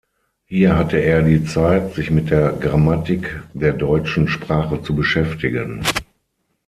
Hier hatte er die Zeit, sich mit der Grammatik der deutschen Sprache zu beschäftigen.